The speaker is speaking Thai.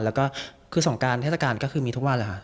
แล้วก็คือสงการเทศกาลก็คือมีทุกวันเลยค่ะ